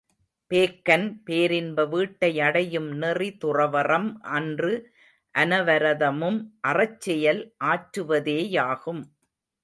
Bacon பேரின்ப வீட்டை அடையும் நெறி துறவறம் அன்று அனவரதமும் அறச்செயல் ஆற்றுவதேயாகும்.